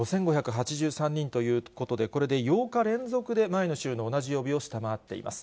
５５８３人ということで、これで８日連続で、前の週の同じ曜日を下回っています。